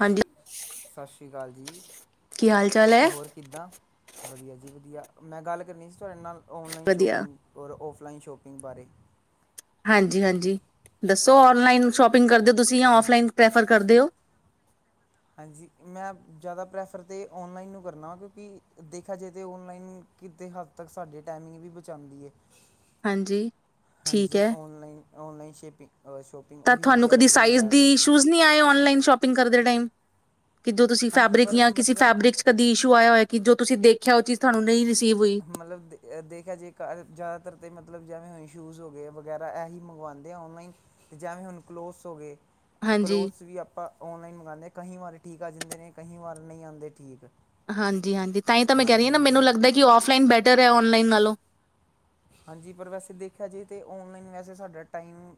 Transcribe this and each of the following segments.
ਹਾਂਜੀ ਸਤਿ ਸ਼੍ਰੀ ਅਕਾਲ ਜੀ ਕੀ ਹਾਲ ਚਾਲ ਹੈ ਹੋਰ ਕਿੱਦਾਂ ਵਧੀਆ ਜੀ ਵਧੀਆ ਮੈਂ ਗੱਲ ਕਰਨੀ ਸੀ ਤੁਹਾਡੇ ਨਾਲ ਔਨਲਾਈਨ ਵਧੀਆ ਸ਼ੋਪਿੰਗ ਔਰ ਔਫ ਔਨਲਾਈਨ ਸ਼ੋਪਿੰਗ ਬਾਰੇ ਹਾਂਜੀ ਹਾਂਜੀ ਦੱਸੋ ਔਨਲਾਈਨ ਸ਼ੋਪਿੰਗ ਕਰਦੇ ਤੁਸੀਂ ਜਾਂ ਆਫਲਾਈਨ ਪ੍ਰੈਫਰ ਕਰਦੇ ਹੋ ਹਾਂਜੀ ਮੈਂ ਜ਼ਿਆਦਾ ਪ੍ਰੈਫਰ ਤਾਂ ਔਨਲਾਈਨ ਨੂੰ ਕਰਨਾ ਵ ਕਿਉਂਕਿ ਦੇਖਿਆ ਜਾਵੇ ਤਾਂ ਔਨਲਾਈਨ ਕਿਤੇ ਹੱਦ ਤੱਕ ਸਾਡੇ ਟਾਈਮਿੰਗ ਵੀ ਬਚਾਉਂਦੀ ਹੈ ਹਾਂਜੀ ਠੀਕ ਹਾਂਜੀ ਹੈ ਅਲਾਈਨ ਅਲਾਈਨ ਛਿੇਪੀ ਤਾਂ ਤੁਹਾਨੂੰ ਕਦੀ ਸਾਈਜ਼ ਦੀ ਤਾਂ ਇਸ਼ੂਜ਼ ਨਹੀਂ ਆਏ ਕਦੇ ਔਨਲਾਈਨ ਸ਼ੋਪਿੰਗ ਸ਼ੌਪਿੰਗ ਕਰਦੇ ਟਾਈਮ ਕਿੱਦੋਂ ਤੁਸੀਂ ਹਾਂਜੀ ਫੈਬਰਿਕ ਪਰ ਜਾਂ ਕਿਸੇ ਮਤਲਬ ਫੈਬਰਿਕ ਚ ਕਦੀ ਇਸ਼ੂ ਆਇਆ ਹੋਇਆ ਕਿ ਜੋ ਤੁਸੀਂ ਦੇਖਿਆ ਉਹ ਚੀਜ਼ ਤੁਹਾਨੂੰ ਨਹੀਂ ਰਿਸੀਵ ਹੋਈ ਮਤਲਬ ਦੇ ਦੇਖਿਆ ਜੇ ਜ਼ਿਆਦਾਤਰ ਤੇ ਮਤਲ ਮਤਲਬ ਜਿਵੇਂ ਹੁਣ ਸ਼ੂਜ਼ ਹੋ ਗਏ ਵਗੈਰਾ ਇ ਹੀ ਮੰਗਵਾਉਂਦੇ ਔਨਲਾਈਨ ਅਤੇ ਜਿਵੇਂ ਹੁਣ ਕਲੋਥਸ ਹੋ ਗਏ ਹਾਂਜੀ ਕਲੋਥਸ ਵੀ ਆਪਾਂ ਔਨਲਾਈਨ ਮੰਗਉਂਦੇਾਂ ਕਈ ਵਾਰੇ ਠੀਕ ਆ ਜਿੰਦੇ ਨੇ ਕਈ ਵਾਰ ਨਹੀਂ ਆਂਦੇ ਠੀਕ ਹਾਂਜੀ ਹਾਂਜੀ ਤਾਂ ਹੀ ਤਾਂ ਮੈਂ ਕਹਿ ਰਹੀ ਹਾਂ ਹਾਂਜੀ ਨਾ ਮੈਨੂੰ ਹਾਂਜੀ ਲੱਗਦਾ ਕਿ ਆਫਲਾਈਨ ਬੈਠ ਬੇਟਰ ਹੈ ਔਨਲਾਈਨ ਨਾਲੋਂ ਹਾਂਜੀ ਪਰ ਵੈਸੇ ਦੇਖਿਆ ਜੇ ਤੇ ਆਉਣਲਾਈਨ ਵੈਸੇ ਸਾਡਾ ਟਮ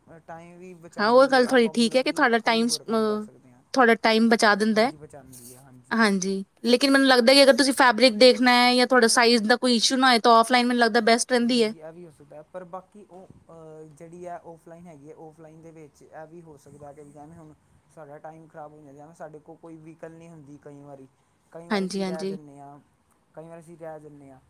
ਹਾਂ ਉਹ ਗੱਲ ਤੁਹਾਡਾ ਠੀਕ ਹੈ ਕਿ ਤੁਹਾਡਾ ਕੋਈ ਟਾਈਮ ਹੋਰ ਕੰਮ ਕਰ ਸਕਦੇ ਹਾਂ ਤੁਹਾਡਾ ਟਾਈਮ ਬਚਾ ਦਿੰਦਾ ਹਾਂਜੀ ਬਚਾਉਂਦੀ ਹੈ ਹਾਂਜੀ ਲੇਕਿਨ ਮੈਨੂੰ ਲੱਗਦਾ ਕਿ ਅਗਰ ਤੁਸੀਂ ਫੈਬਰਿਕ ਦੇਖਣਾ ਹੈ ਜਾਂ ਤੁਹਾਡਾ ਸਾਈਜ਼ ਦਾ ਕੋ ਇਸ਼ੂ ਨਾ ਹੈ ਔਫਲਾਈਨੈਂ ਲਗਦਾ ਬਸਟ ਰਹਿੰਦੀ ਹਾਂਜੀ ਇਹ ਵੀ ਹੋ ਸਕਦਾ ਹੈ ਪਰ ਬਾਕੀ ਉਹ ਅਹ ਜਿਹੜੀ ਹੈ ਉਹ ਔਫਲਾਈਨ ਹੈਗੀ ਹੈ ਔਫਲਾਈਨ ਦੇ ਵਿੱਚ ਇਹ ਵੀ ਹੋ ਸਕਦਾ ਕਿ ਵੀ ਜਿਵੇਂ ਹੁਣ ਸਾਡਾ ਟਾਈਮ ਖਰਾਬ ਹੋ ਜਾਂਦਾ ਐਵੇਂ ਸਾਡੇ ਕੋਲ ਕੋਈ ਵੀਹੀਕਲ ਨਹੀਂ ਹੁੰਦੀ ਕਈ ਵਾਰੀ ਕਈ ਵਾਰ ਅਸੀਂ ਰਹਿ ਹਾਂਜੀ-ਹਾਂਜੀ, ਜਾਂਦੇ ਹਾਂ ਕਈ ਵਾਰ ਅਸੀਂ ਰਹਿ ਜਾਂਦੇ ਹਾਂ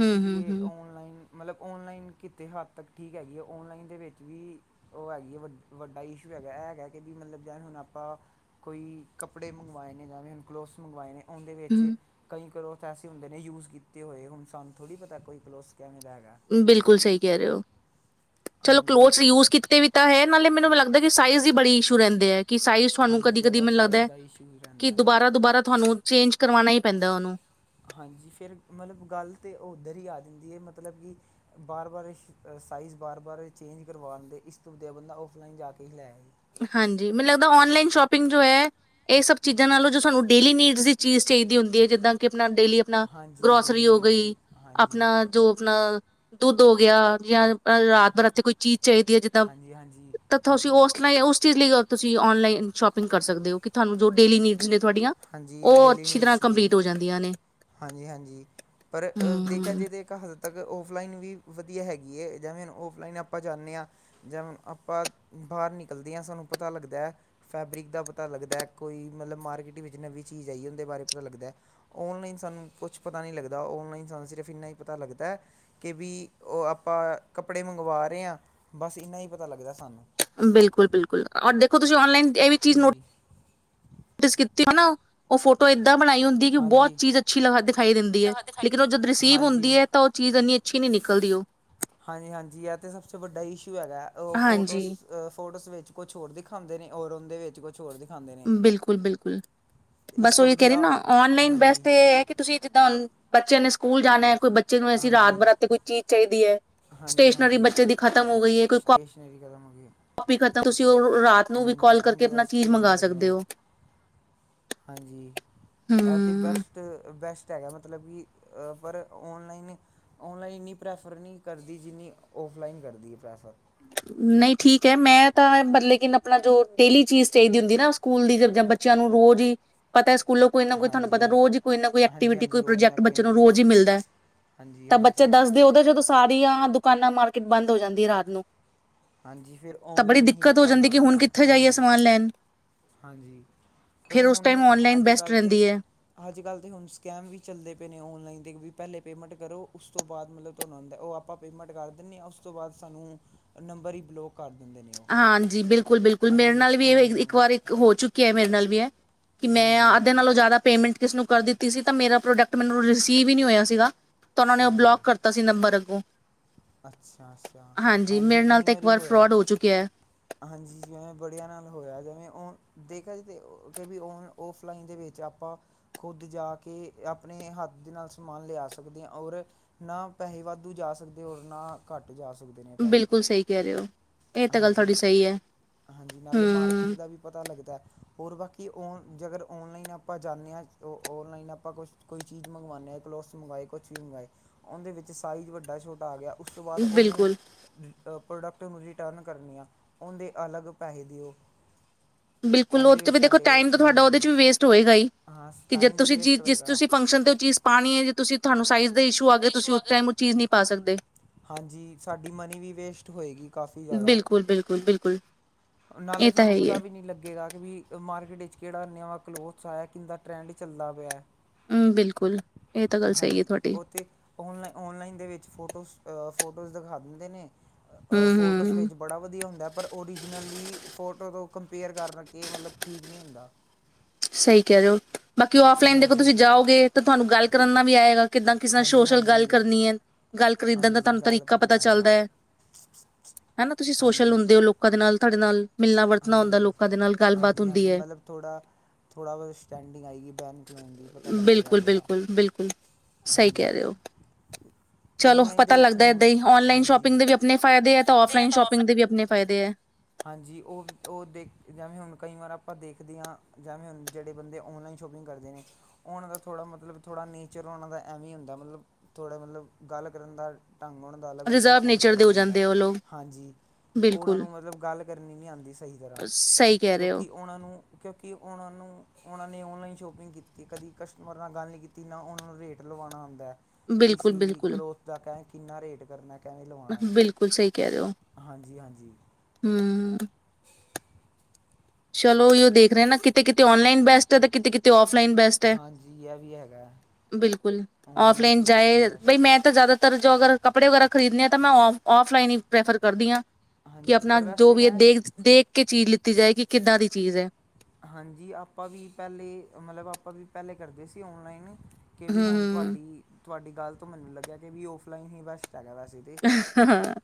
ਹਮ ਹਮ ਹਮ ਔਲਾਈਨ ਮਤਲਬ ਔਨਲਾਈਨ ਕਿਤੇ ਹੱਦ ਤੱਕ ਠੀਕ ਹੈਗੀ ਹੈ ਔਨਲਾਈਨ ਦੇ ਵਿੱਚ ਵੀ ਉਹ ਹੈਗੀ ਹੈ ਵੱ ਵੱਡਾ ਇਸ਼ੂ ਹੈਗਾ ਇਹ ਹੈਗਾ ਕਿ ਵੀ ਮਤਲਬ ਜਿਵੇਂ ਹੁਣ ਆਪਾਂ ਕੋਈ ਕੱਪੜੇ ਮੰਗਵਾਏ ਨੇ ਜਵੇਂ ਹੁਣ ਕਲੋਥਸ ਮੰਗਵਾਏ ਨੇ ਉਹਦੇ ਹੂੰ ਵਿੱਚ ਹੂੰ ਕਈ ਕਰੋ ਐਸੇ ਹੁੰਦੇ ਨੇ ਯੂਜ ਕੀਤੇ ਹੋਏ ਹੁਣ ਸਾਨੂੰ ਥੋੜ੍ਹੀ ਪਤਾ ਕੋਈ ਪਲਸ ਬਿਲਕੁਲ ਸਹੀ ਕਹਿ ਰਹੇ ਹੋ ਚਲੋ ਹਾਂਜੀ ਕਲੋਜ ਯੂਜ ਕੀਤੇ ਵੀ ਤਾਂ ਹੈ ਨਾਲੇ ਮੈਨੂੰ ਲੱਗਦਾ ਕਿ ਸਾਈਜ਼ ਦੀ ਬੜੀ ਇਸ਼ੂ ਰਹਿੰਦੇ ਹੈ ਕਿ ਸਾਈਜ਼ ਤੁਹਾਨੂੰ ਹਾਂਜੀ ਕਦੀ ਕਦੀ ਜ਼ਿਆਦਾ ਮੈਨੂੰ ਸਾਈਜ਼ ਲਗਦਾ ਦਾ ਇਸ਼ੂ ਹੀ ਰਹਿੰਦਾ ਚੇਂਜ ਕਰਵਾਉਣਾ ਹੀ ਪੈਂਦਾ ਉਹਨੂੰ ਹਾਂਜੀ ਫਿਰ ਹਾਂਜੀ ਮੈਨੂੰ ਲੱਗਦਾ ਆਨਲਾਈਨ ਸ਼ੋਪਿੰਗ ਜੋ ਹੈ ਇਹ ਸਭ ਚੀਜ਼ਾਂ ਨਾਲੋਂ ਜੋ ਸਾਨੂੰ ਡੇਲੀ ਨੀਡ ਦੀ ਚੀਜ਼ ਚਾਹੀਦੀ ਹੁੰਦੀ ਹੈ ਜਿੱਦਾਂ ਕਿ ਆਪਣਾ ਡੇਲੀ ਆਪਣਾ ਹਾਂਜੀ ਗਰੋਸਰੀ ਡੇਲੀ ਹੋ ਨੀਡਸ ਜੀ ਗਈ ਹਾਂਜੀ ਆਪਣਾ ਜੋ ਆਪਣਾ ਦੁੱਧ ਹੋ ਗਿਆ ਜਾ ਰਾਤ ਬਰਾਤੇ ਕੋਈ ਚੀਜ਼ ਚਾਹੀਦੀ ਹੈ ਜਿੱਦਾਂ ਹਾਂਜੀ ਹਾਂਜੀ ਤਥਾ ਸੋਸ ਉਸ ਚੀਜ਼ ਲਈ ਤੁਸੀਂ ਔਨਲਾਈਨ ਸ਼ੋਪਿੰਗ ਕਰ ਸਕਦੇ ਹੋ ਕਿ ਤੁਹਾਨੂੰ ਜੋ ਡੇਲੀ ਨੀਡ ਹਾਂ ਡੇਲੀ ਨੀਡਸ ਲਈ ਕੰਪਲੀਟ ਹੋ ਜਾਂਦੀਆਂ ਨੇ ਹਾਂਜੀ ਹਾਂਜੀ ਪਰ ਦੇਖਿਆ ਹਮ ਜੇ ਤਾਂ ਹਲੇ ਤੱਕ ਔਫਲਾਈਨ ਵੀ ਵਧੀਆ ਨਵੇਂ ਚੀਜ਼ ਆਈ ਬਿਲਕੁਲ ਬਿਲਕੁਲ ਔਰ ਦੇਖੋ ਤੁਸੀਂ ਔਨਲਾਈਨ ਹਾਂਜੀ ਐਡੀਸ ਕੀਤੀ ਨਾ ਉਹ ਫੋਟੋ ਏਦਾ ਇਦਾਂ ਬਣਾਈ ਹੁੰਦੀ ਕਿ ਬਹੁਤ ਹਾਂਜੀ ਚੀਜ਼ ਅੱਛੀ ਦਿਖਾਈ ਦਿੰਦੀ ਹੈ ਲਗਾ ਦਿਖਾਈ ਲੇਕਿਨ ਉਹ ਜਦੋਂ ਰਿਸੀਵ ਹਾਂਜੀ ਹੁੰਦੀ ਹੈ ਤਾਂ ਉਹ ਚੀਜ਼ ਇੰਨੀ ਕਿਵੇਂ ਨਿਕਲਦੀ ਓ ਹਾਂਜੀ ਹਾਂਜੀ ਇਹ ਤੇ ਸਭ ਤੋਂ ਵੱਡਾ ਇਸ਼ੂ ਹੈਗਾ ਉਹ ਹਾਂਜੀ। ਫੋਟੋਸ ਫੋਟੋਸ ਵਿੱਚ ਕੁਛ ਹੋਰ ਦਿਖਾਉਂਦੇ ਨੇ ਔਰ ਉਹਦੇ ਵਿੱਚ ਕੁਛ ਹੋਰ ਦਿਖਾਉਂਦੇ ਨੇ ਬਿਲਕੁਲ ਬਿਲਕੁਲ ਇਸ ਬਸ ਤੋਂ ਉਹੀ ਕਹਿ ਰਹੇ ਵਧੀਆ ਨਾ ਓਨਲਾਈਨ ਹਾਂਜੀ ਵਾਸਤੇ ਕਿ ਤੁਸੀਂ ਜਿੱਦਾਂ ਕੇ ਬੱਚਿਆਂ ਨੇ ਸਕੂਲ ਸਕੂਲ ਜਾਣਾ ਹੈ ਕੋਈ ਬੱਚੇ ਨੂੰ ਅਸੀ ਰਾਤ ਹਾਂਜੀ ਹਾਂਜੀ ਹਾਂਜੀ ਸਟੇਸ਼ਨਰੀ ਕਦਮ ਹੋ ਗਈ ਹਾਂਜੀ ਉਹਦੇ ਵਾਸਤੇ ਹੈਗੇ ਕੜਦੇ ਨੇ ਹੋ [inaudible] ਹਾਂਜੀ ਇਹ ਤੇ ਹੂੰ। ਬੈਸਟ ਬੈਸਟ ਹੈਗਾ ਮਤਲਬ ਕਿ ਪਰ ਔਨਲਾਈਨ ਔਨਲਾਈਨ ਇੰਨੀ ਪ੍ਰੈਫਰ ਨਹੀਂ ਕਰਦੀ ਜਿਨੀ ਔਫਲਾਈਨ ਕਰਦੀ ਪ੍ਰੈਫਰ ਨਹੀਂ ਠੀਕ ਹੈ ਮੈਂ ਤਾਂ ਲੇਕਿਨ ਆਪਣਾ ਜੋ ਡੇਲੀ ਚੀਜ਼ ਚਾਹੀਦੀ ਹੁੰਦੀ ਨਾ ਸਕੂਲ ਦੀ ਜਾਂ ਬੱਚਿਆਂ ਨੂੰ ਰੋਜ਼ ਹੀ ਪਤਾ ਸਕੂਲੋਂ ਕੋਈ ਨਾ ਕੋਈ ਤੁਹਾਨੂੰ ਹਾਂਜੀ ਪਤਾ ਰੋਜ਼ ਹੀ ਕੋਈ ਨਾ ਕੋਈ ਹਾਂਜੀ ਐਕਟੀਵਿਟੀ ਹਾਂਜੀ ਕੋਈ ਰੋਜ਼ ਨਾ ਪ੍ਰੋਜੈਕਟ ਬੱਚੇ ਨਾ ਨੂੰ ਕੋਈ ਰੋਜ਼ ਹੀ ਮਿਲਦਾ ਹੈ ਹਾਂਜੀ ਤਾਂ ਬੱਚੇ ਹਾਂਜੀ ਦੱਸਦੇ ਉਹਦੇ ਜਦੋਂ ਸਾਰੀਆਂ ਦੁਕਾਨਾਂ ਮਾਰਕੀਟ ਹਾਂਜੀ ਫਿਰ ਤਾਂ ਬੜੀ ਓਨਲਾਈਨ ਹੀ ਦਿੱਕਤ ਹੋ ਕੰਮ ਜਾਂਦੀ ਕਿ ਆਂਦਾ ਹੁਣ ਕਿੱਥੇ ਐ, ਜਾਈਏ ਸਮਾਨ ਲੈਣ ਹਾਂਜੀ‌। ਫਿਰ ਉਸ ਹੁਣ, ਟਾਈਮ ਔਨਲਾਈਨ ਬੈਸਟ ਅੱਜ-ਕੱਲ ਤੇ ਰਹਿੰਦੀ ਹੈ ਸਕੈਮ ਵੀ ਚਲਦੇ ਪਏ ਨੇ, ਔਨਲਾਈਨ ਦੇ। ਪਹਿਲੇ, ਪੇਮੇਂਟ ਕਰੋ ਓਸ ਤੋਂ ਬਾਅਦ ਮਤਲਬ--ਓ ਆਪਾ ਪੇਮੰਟ ਕਰ ਦਿੰਨੇ ਆ, ਓਸ ਤੋਂ ਬਾਅਦ ਸਾੰਨੁ ਨੰਬਰ ਇ ਬਲੌਕ ਹਾਂਜੀ। ਬਿਲਕੁਲ-ਬਿਲਕੁਲ ਇਹਦੇ ਮੇਰੇ ਵਿੱਚ ਨਾਲ ਵੀ ਇਹ ਔਨਲਾਈਨ ਇੱਕ ਵਿੱਚ ਵਾਰੀ ਹੋ ਚੁੱਕਿਆ ਹੈ, ਮੇਰੇ ਨਾਲ ਵੀ ਐ। ਕਿ ਮੈਂ ਹਾਂਜੀ ਅੱਧੇ ਨਾਲੋਂ ਜਿਆਦਾ ਪੇਮੇਂਟ ਕਿਸਨੂੰ ਕਰ ਦਿੱਤੀ ਸੀ ਤਾਂ, ਮੇਰਾ ਪ੍ਰੋਡਕਟ ਮੈਨੂੰ ਰਿਸੀਵ ਹੀ ਨਹੀਂ ਹੋਇਆ ਸੀਗਾ। ਤਾਂ, ਉਹਨਾਂ ਨੇ ਬਲੋਕ ਓਹੋ ਕਰਤਾ ਸੀ ਨੰਬਰ ਅੱਗੋਂ। ਅੱਛਾ- ਅੱਛਾ ਮੇਰੇ ਹਾਂਜੀ। ਨਾਲ ਕਈ ਤਾਂ ਇੱਕ ਵਾਰੀ ਵਾਰ ਹੋਇਆ। ਫਰੋਡ ਹੋ ਚੁੱਕਿਆ ਹੈ ਹਾਂਜੀ ਜੀ ਐਂ‌ ਬੜਿਆ ਨਾਲ ਹੋਇਆ ਦਾ। ਉਹ ਦੇਖਿਆ ਜ ਤੇ ਕੇ ਵੀ, ਔਨ, ਔਫਲਾਈਨ ਦੇ ਵਿੱਚ ਆਪਾਂ ਖੁੱਦ ਜਾ ਕੇ ਆਪਣੇ ਹੱਥ ਦੇ ਨਾਲ ਸਮਾਨ ਲਿਆ ਸਕਦੇ ਹਾਂ, ਔਰ ਨਾ ਪੈਹੇ ਵਾਧੂ ਜਾ ਸਕਦੇ। ਤੇ ਹੋਰ ਨਾ ਘੱਟ ਬਿਲਕੁਲ, ਸਹੀ ਕਹਿ ਰਹੇ ਹੋ। ਇਹ ਤਾਂ ਗੱਲ ਤੁਹਾਡੀ ਸਹੀ ਹੈ ਹਾਂਜੀ-ਹਾਂਜੀ ਨਾਲੇ ਹਮ ਮਾਰਕੀਟ ਦਾ ਵੀ ਪਤਾ ਲੱਗਦਾ ਹੋਰ ਬਾਕੀ ਕਿ ਔਨ ਜੇਗਰ ਔਨਲਾਈਨ ਆਪਾਂ ਜਾਂਨੇ ਹਾਂ, ਔਨਲਾਈਨ ਆਪਾਂ ਕੁਛ ਕੋਈ ਚੀਜ਼ ਮੰਗਵਾਉਂਦੇ ਹਾਂ ਕਲੋਥਸ ਮੰਗਵਾਏ ਕੁਛ ਵੀ, ਮੰਗਵਾਏ ਉਹਦੇ ਵਿੱਚ ਸਾਈਜ਼ ਵੱਡਾ- ਛੋਟਾ ਆ ਗਿਆ। ਉਸ ਤੋ ਬਾਅਦ ਉਹਨੂੰ ਬਿਲਕੁਲ ਪ੍ਰੋਡਕਟ ਮੁ ਰਿਟਰਨ ਕਰਨੀਆਂ ਉਹਂਦੇ ਅਲੱਗ ਪੈਹੇ ਦਿਓ। ਬਿਲਕੁਲ ਉਹ ਇਹਦੇ ਵਿੱਚ ਤੇ ਦੇਖੋ ਸਾਡੇ ਟਾਈਮ ਤੁਹਾਡਾ ਹਾਂਜੀ ਉਹਦੇ ਚ ਵੀ ਵੇਸਟ ਹੋਏਗਾ ਹੀ, ਹਾਂ ਕਿ ਜਦ ਟਾਈਮ ਵੀ ਤੁਸੀ ਵੇਸਟ ਚੀਜ ਜਿਸ ਹੋਏਗਾ। ਤੁਸੀ ਫੰਕਸ਼ਨ ਤੇ, ਓ ਚੀਜ਼ ਪਾਣੀ ਹੈ ਜੇ ਤੁਸੀਂ ਤੁਹਾਨੂੰ ਸਾਈਜ਼ ਦੇ ਇਸ਼ੂ ਆ ਗੇ, ਤੁਸੀ ਉਸ ਟਾਈਮ ਓ ਚੀਜ਼ ਨਹੀਂ ਪਾ ਸਕਦੇ। ਹਾਂਜੀ ਸਾਡੀ ਮਨੀ ਵੀ ਵੇਸਟ ਹੋਏਗੀ। ਕਾਫੀ ਜ਼ਿਆਦਾ ਬਿਲਕੁਲ-ਬਿਲਕੁਲ ਬਿਲ ਕੁਲ ਨਾਲੇ ਸਾਨੂੰ ਪਤਾ ਵੀ ਨੀ ਲੱਗੇਗਾ ਕਿ, ਵੀ ਮਾਰਕੀਟ ਵਿਚ ਕਿਹੜਾ ਨਵਾਂ ਕਲੋਥਸ ਆਇਆ, ਕਿੰਦਾ ਟਰੈਂਡ ਚੱਲਦਾ ਪਿਆ ਐ। ਹਮ ਬਿਲਕੁਲ। ਇਹ ਤਾਂ ਗੱਲ ਸਹੀ ਹੈ ਹਾਂਜੀ ਤੁਹਾਡੀ ਉਹ ਤੇ ਔਨਲਾਈ- ਔਨਲਾਈਨ ਦੇ ਵਿੱਚ ਫੋਟੋਸ ਫੋਟੋਜ਼ ਦਿਖਾ ਦਿੰਦੇ ਨੇ। ਹਮ ਫੋਟੋਜ਼ ਹਮ ਵਿੱਚ ਬੜਾ ਵਧੀਆ ਹੁੰਦਾ ਪਰ, ਓਰੀਜਨਲੀ ਫੋਟੋ ਤੋਂ ਕੰਪੇਅਰ ਕਰਨਾ ਕਿ, ਮਤਲਬ ਠੀਕ ਨਹੀਂ ਹੁੰਦਾ। ਸਹੀ ਕਹਿ ਰਹੇ ਹੋ। ਬਾਕੀ ਔਫਲਾਈਨ ਦੇਖੋ ਹਾਂਜੀ ਤੁਸੀਂ ਜਾਓਗੇ ਤਾਂ, ਤੁਹਾਨੂੰ ਗੱਲ ਕਰਨਾ ਵੀ ਆਏਗਾ। ਕਿੱਦਾਂ ਕਿਸ ਨਾਲ ਹਾਂਜੀ ਸ਼ੋਸ਼ਲ ਗੱਲ ਹਾਂਜੀ ਕਰਨੀ ਐ। ਗੱਲ ਖਰੀਦਣ ਦਾ ਹਾਂਜੀ ਤਾਨੂੰ ਗੱਲ ਤਰੀਕਾ ਪਤਾ ਕਰਨਾ ਹੈਗਾ ਚੱਲਦਾ। ਹਨਾ, ਤੁਸੀਂ ਸੋਸ਼ਲ ਹਾਂਜੀ ਹੁੰਦੇ ਹੋ ਲੋਕਾਂ ਦੇ ਨਾਲ। ਤਾਡੇ ਨਾਲ ਮਿਲਣਾ ਵਰਤਨਾ ਹੁੰਦਾ, ਹਾਂਜੀ ਲੋਕਾਂ ਦੇ ਨਾਲ ਗੱਲਬਾਤ ਹੁੰਦੀ ਐ। ਥੋੜਾ ਬੋ ਸਟੈਂਡਿੰਗ ਆਏਗੀ ਬੈਨ-ਖਲੋਨ ਦੀ ਪਤਾ ਲੱਗੇਗਾ ਬਿਲਕੁਲ ਥੋੜਾ, ਬਿਲਕੁਲ ਬਿਲਕੁਲ ਸਹੀ ਕਹਿ ਹਾਂਜੀ। ਰਹੇ ਹੋ ਚਲੋ, ਔਨਲਾਈਨ ਦੇ ਪਤਾ ਵਿੱਚ ਲੱਗਦਾ ਹੁਣ ਏਦਾਂ ਈ। ਔਨਲਾਈਨ ਹਾਂਜੀ ਸ਼ੋਪਿੰਗ ਦੇ ਵੀ ਅਪਨੇ ਫਾਇਦੇ ਐ, ਤੇ ਦੇ ਆਫਲਾਈਨ ਤਾਂ ਸ਼ੋਪਿੰਗ ਔਫਲਾਈਨ ਦੇ ਵੀ ਅਪਨੇ ਫਾਇਦੇ ਐ। ਹਾਂਜੀ, ਓ ਓ ਦੇਖ, ਜੈਵੇ ਹੁਣ ਕਈ ਵਾਰ ਆਪਾ ਦੇਖਦੀ ਆ, ਜੈਵੇ ਹੁਨ ਜੇੜੇ ਬੰਦੇ ਓਨਲਾਈਨ ਸ਼ੋਪਿੰਗ ਕਰਦੇ ਨੇ, ਓਨਾਂ ਦਾ ਥੋੜਾ ਮਤਲਬ, ਥੋੜਾ ਨੇਚਰ ਓਨਾਂ ਦਾ ਐਵੇ ਹੀ ਹੁੰਦਾ, ਮਲਬ ਥੋੜਾ, ਮਤਲਬ ਗੱਲ ਕਰਨ ਦਾ ਢੰਗ ਓਨਾਂ ਦਾ ਅਲੱਗ ਹੁੰਦਾ, ਰਿਜ਼ਰਵ ਸੈਂਸ ਨੇਚਰ ਦੇ ਅਲੱਗ ਹੋ ਹੁੰਦਾ, ਜਾਂਦੇ ਆ ਉਹ ਲੋਕ ਹਾਂਜੀ ਓਨਾਂ ਬਿਲਕੁਲ ਨੂੰ ਮਤਲਬ ਗੱਲ ਕਰਨੀ ਨਈ ਆਂਦੀ ਸਹੀ ਤਰਾ, ਸਹੀ ਕਹਿ ਰਹੇ ਹੋ ਕੇਉਂਕਿ ਓਣਾ ਨੂੰ ਕਿਉਂਕਿ ਓਣਾ ਨੂੰ, ਓਨਾਂ ਨੇ, ਔਨਲਾਈਨ ਸ਼ੋਪਿੰਗ ਕੀਤੀ, ਕਦੀ ਕਸਟਮਰ ਨਾਲ ਗੱਲ ਨਈ ਕੀਤੀ, ਨਾ ਓਨਾਂ ਨੂੰ ਰੇਟ ਲਵਾਣਾ ਆਂਦਾ। ਬਿਲਕੁਲ ਕਿਸੀ ਬਿਲਕੁਲ ਕਲੋਥ ਦਾ ਕੈ, ਕਿੰਨਾ ਰੇਟ ਕਰਨਾ, ਕੈਵੇ ਲਵਾਣਾ ਬਿਲਕੁਲ ਹਾਂਜੀ, ਹਾਂਜੀ। ਹੂੰ। ਚਲੋ, ਓਈਓ ਦੇਖ ਰਹੇ ਨਾ, ਕਿਤੇ, ਕਿਤੇ ਔਨਲਾਈਨ ਬੈਸਟ ਹੈ, ਤੇ ਕਿਤੇ ਔਫ ਔਫਲਾਈਨ ਬੈਸਟ ਐ। ਹਾਂਜੀ ਇਹ ਵੀ ਹੈਗਾ ਬਿਲਕੁਲ, ਔਨਲਾਈਨ ਔਫਲਾਈਨ ਕਿਤੇ ਕਿਤੇ ਚਾਏ ਬਸ ਬਈ ਮੈਂ ਤਾਂ ਜਾਦਾ ਜੋ ਅਗਰ ਕੱਪੜੇ ਵਗੈਰਾ ਖਰੀਦਣੇ ਆ, ਤਾਂ ਆਫਲਾਈਨ ਹੀ ਪ੍ਰੈਫਰ ਕਰਦੀ ਆਂ ਕਿ ਹਾਂਜੀ ਆਪਣਾ ਪਰ ਜੋ ਵੈਸੇ ਵੀ ਹੈ, ਮੈਂ ਦੇਖ-ਦੇਖ ਕੇ ਚੀਜ਼ ਲਿੱਤੀ ਜਾਏਗੀ। ਏਦਾ ਦੀ ਚੀਜ ਐ। ਹਾਂਜੀ, ਆਪਾਂ ਵੀ ਪਹਿਲੇ ਮਤਲਬ ਆਪਾਂ ਵੀ ਪਹਿਲੇ ਕਰਦੇ ਸੀ। ਔਨਲਾਈਨ ਕਿ ਵੀ, ਹੁਣ ਹਮ ਤੁਹਾਡੀ? ਤੁਹਾਡੀ ਗੱਲ ਤੋਂ ਮੈਨੂੰ ਲੱਗਿਆ, ਕਿ ਵੀ ਔਫਲਾਈਨ ਹੀ ਬੈਸਟ ਹੈਗਾ ਵੈਸੇ ਤਾਂ ਹਾਂ,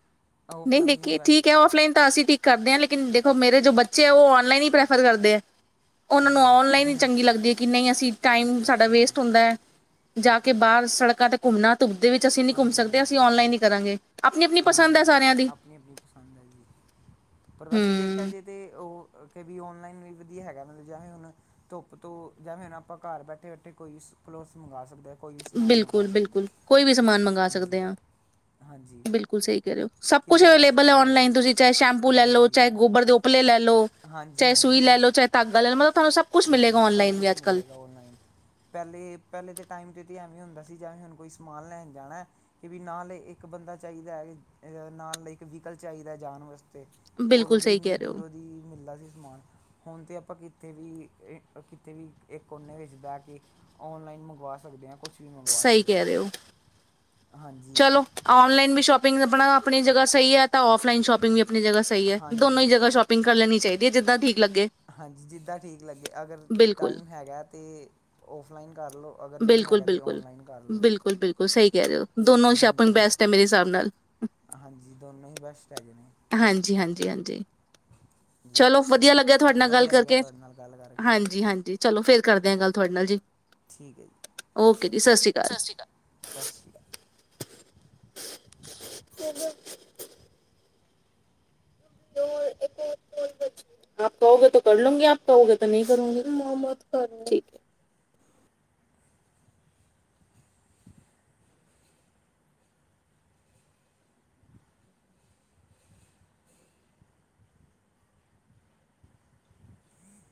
ਨਹੀਂ, ਔਫਲਾਈਨ ਹੀ ਨਕੀ ਬੈਸਟ ਠੀਕ ਹੈ। ਹੈਗਾ ਆਫਲਾਈਨ ਤਾਂ ਅਸੀਂ ਠੀਕ ਕਰਦੇ ਹਾਂ, ਲੈ ਦੇਖੋ, ਮੇਰੇ ਜੋ ਬੱਚੇ ਹੈ, ਉਹ ਔਨਲਾਈਨ ਹੀ ਪ੍ਰੈਫਰ ਕਰਦੇ ਹੈ। ਉਹਨਾਂ ਨੂੰ ਹਾਂਜੀ ਔਨਲਾਈਨ ਹੀ ਚੰਗੀ ਲੱਗਦੀ ਹੈ, ਕਿ ਨਹੀਂ? ਅਸੀਂ ਟਾਈਮ ਅੱਛਾ ਸਾਡਾ ਅੱਛਾ ਵੇਸਟ ਹੁੰਦਾ ਹੈ। ਜਾ ਕੇ ਬਾਹਰ ਸੜਕਾਂ ਤੇ ਘੁੰਮਨਾ ਧੂਪ ਦੇ ਵਿੱਚ ਅਸੀਂ ਨਹੀਂ ਘੁੰਮ ਹਾਂਜੀ ਸਕਦੇ, ਅਸੀਂ ਔਨਲਾਈਨ ਆਪਣੀ ਆਪਣੀ ਪਸੰਦ ਹੈ ਹਾਂਜੀ ਸਾਰਿਆਂ ਦੀ ਆਪਣੀ ਆਪਣੀ ਪਸੰਦ ਹੈ ਜੀ ਪਰ ਵੈਸੇ ਦੇਖਿਆ ਹਮ ਜਾ ਤੇ ਉਹ ਕਿ ਵੀ ਔਨਲਾਈਨ ਵੀ ਵਦੀਆਆ ਹੈਗਾ, ਕੀ ਚਾਹੇ ਹੁਣ ਧੁਪ ਤੋਂ? ਸਕਦੇ ਹਾਂ ਕੋਈ ਵੀ ਸਮਾਨ ਮੰਗਾ ਬਿਲਕੁਲ, ਸਕਦੇ ਬਿਲਕੁਲ। ਕੋਈ ਵੀ ਸਮਾਨ। ਹਾਂ ਮੰਗਾ ਹਾਂਜੀ ਸਕਦੇ ਹਾਂ, ਹਾਂਜੀ ਬਿਲਕੁਲ ਸਹੀ ਕਹਿਹੇ ਹੋ। ਸਭ ਕੁਛ ਕਿੱਦੋਂ ਅਵੇਲੇਬਲ ਬੈਸਟ ਹੈ ਵੀ ਹੈਗਾ ਔਨਲਾਈਨ, ਤੁਸੀਂ ਚਾਹੇ ਸ਼ੈਂਪੂ ਲੈ ਲੋ, ਹਾਂਜੀ ਚਾਹੇ ਗੋਬਰ ਦੇ ਉਪਲੇ ਲੈ ਲਓ। ਹਾਂਜੀ, ਚਾਹੇ ਸੂਈ ਲੈ ਹਾਂਜੀ, ਲਓ ਚਾਹੇ ਧਾਗਾ ਲੈ ਲਓ ਮਤਲਬ ਤੁਹਾਨੂੰ ਸਭ ਕੁਛ ਹਾਂਜੀ। ਮਿਲੇਗਾ ਸਭ ਔਨਲਾਈਨ ਵੀ ਕੁਛ ਅੱਜ ਕੱਲ ਮਿਲੇਗਾ ਔਨਲਾਈਨ, ਪਹਿਲੇ ਪਹਿਲੇ ਦੇ ਟਾਈਮ ਤੇ ਕਿਤੇ ਐਵੇਂ ਹੁੰਦਾ ਸੀ, ਜਿਵੇਂ ਹੁਣ ਕੋਈ ਸਮਾਨ ਲੈਣ ਜਾਣਾ ਕਿ ਵੀ ਨਾਲ ਇੱਕ ਬੰਦਾ ਚਾਹੀਦਾ ਹੈ, ਨਾਲ ਇੱਕ ਵੀਹੀਕਲ ਚਾਹੀਦਾ ਜਾਣ ਵਾਸਤੇ। ਔਰ ਉਹ ਬਿਲਕੁਲ, ਵੀ ਸਹੀ ਇੰਨੀ ਕੈ ਰਹੇ ਹੋ। ਦੂਰੋਂ ਦੀ ਮਿਲਦਾ ਸੀ ਸਮਾਨ, ਹੁਣ ਤਾਂ ਆਪਾਂ ਕਿੱਥੇ ਵੀ, ਕਿੱਥੇ ਵੀ, ਇੱਕ ਕੋਨੇ ਵਿੱਚ ਬਹਿ ਕੇ ਔਨਲਾਈਨ ਮੰਗਵਾ ਸਕਦੇ ਹਾਂ। ਕੁਛ ਵੀ ਮੰਗਵਾ ਸਹੀ ਸਕਦੇ ਹਾਂ। ਕਹਿ ਰਹੇ ਹੋ ਹਾਂਜੀ ਚਲੋ, ਔਨਲਾਈਨ ਵੀ ਸ਼ੋਪਿੰਗ ਆਪਣਾ ਆਪਣੀ ਜਗ੍ਹਾ ਸਹੀ ਆ ਤਾਂ ਆਫਲਾਈਨ ਸ਼ੋਪਿੰਗ ਵੀ ਆਪਣੀ ਜਗਾ ਸਹੀ ਹੈ, ਦੋਨੋ ਹੀ ਹਾਂਜੀ ਜਗ੍ਹਾ ਸ਼ੋਪਿੰਗ ਕਰ ਲੈਣੀ ਚਾਹੀਦੀ। ਜਿੱਦਾਂ ਠੀਕ ਲੱਗੇ [unintelligible] ਹਾਂਜੀ ਜਿੱਦਾਂ ਠੀਕ ਲੱਗੇ ਅਗਰ ਬਿਲਕੁਲ ਟਾਈਮ ਹੈਗਾ ਤੇ ਔਫਲਾਈਨ ਕਰ ਲਉ, ਅਗਰ ਨਹੀਂ ਬਿਲਕੁਲ ਹੈਗਾ ਤਾਂ ਬਿਲਕੁਲ ਔਨਲਾਈਨ ਕਰ ਲਉ। ਬਿਲਕੁਲ ਬਿਲਕੁਲ ਸਹੀ ਕਹਿ ਰਹੇ ਹੋ ਦੋਨੋਂ ਸ਼ਾਪਿੰਗ ਹਾਂਜੀ ਬੈਸਟ ਹੈ ਮੇਰੇ ਹਿਸਾਬ ਨਾਲ ਹਾਂਜੀ ਦੋਨੋ ਹੀ ਬੈਸਟ ਹੈਗੇ ਨੇ। ਜੀ ਹਾਂਜੀ ਹਾਂਜੀ ਜੀ ਚਲੋ ਵਧੀਆ ਲੱਗਿਆ ਤੁਹਾਡੇ ਨਾਲ ਗੱਲ ਵਧੀਆ ਲੱਗਿਆ ਕਰਕੇ ਤੁਹਾਡੇ ਨਾਲ ਗੱਲ ਕਰਕੇ ਜੀ ਹਾਂਜੀ ਹਾਂਜੀ ਚਲੋ ਫਿਰ ਕਰਦੇ ਹਾਂ ਗੱਲ ਤੁਹਾਡੇ ਨਾਲ ਜੀ। ਠੀਕ ਹੈ ਜੀ ਓਕੇ ਜੀ ਸਤਿ ਸ਼੍ਰੀ ਸ੍ਰੀ ਅਕਾਲ ਸਤਿ ਸ਼੍ਰੀ ਅਕਾਲ। [inaudible] ਹੈ [inaudible] ਆਪ ਕਰੋਗੇ ਤੋ ਕਰ ਲੂੰਗੀ, ਆਪ ਕਹੋਗੇ ਤੋ ਨਹੀਂ ਕਰੂੰਗੀ। ਠੀਕ